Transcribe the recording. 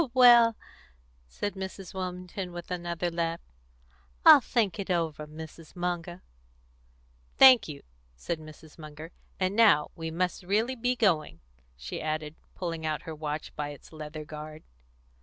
"Well," said Mrs. Wilmington, with another laugh, "I'll think it over, Mrs. Munger." "Thank you," said Mrs. Munger. "And now we must really be going," she added, pulling out her watch by its leathern guard.